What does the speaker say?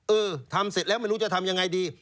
เออทำเสร็จแล้วไม่รู้จะทำยังไงดี